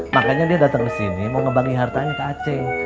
makanya dia dateng kesini mau ngebangi hartanya ke ceng